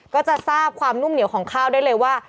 ก็จะทราบความนุ่มเหนียวของข้าวได้เลยว่า